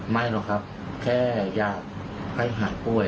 ไม่หรอกครับแค่อยากให้หายป่วย